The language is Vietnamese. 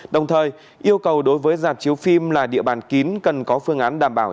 đồng thời yêu cầu đối với giạt chiếu phim là địa bàn kín cần có phương án đảm bảo